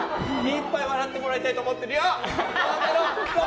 いっぱい笑ってもらいたいと思ってるよ。